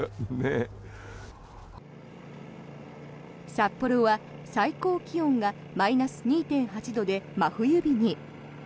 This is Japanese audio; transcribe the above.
札幌は最高気温がマイナス２．８度で真冬日に。